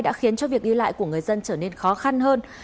đã khiến cho việc đi lại của người dân trở nên khó khăn hơn